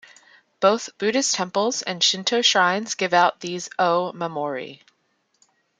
Both Buddhist temples and Shinto shrines give out these "o-mamori".